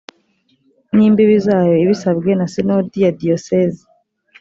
n imbibi zayo ibisabwe na sinodi ya diyosezi